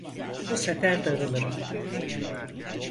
Bu sefer darılırım!